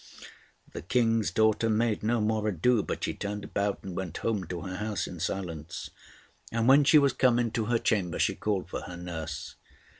The King's daughter made no more ado, but she turned about and went home to her house in silence. And when she was come into her chamber she called for her nurse.